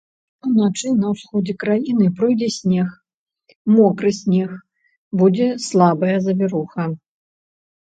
Уначы на ўсходзе краіны пройдзе снег, мокры снег, будзе слабая завіруха.